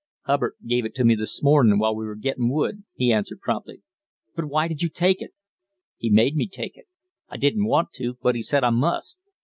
"Hubbard gave it to me this morning while you were gettin' wood," he answered promptly. "But why did you take it? "He made me take it. I didn't want to, but he said I must.